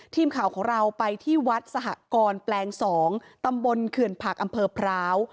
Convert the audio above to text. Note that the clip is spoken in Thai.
ทีมข่าวของเราไปที่วัดสหกรแปลง๒ตำบลเขื่อนผักอำเภอพร้าว